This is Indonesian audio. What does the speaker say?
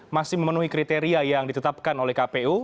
masih memenuhi kriteria yang ditetapkan oleh kpu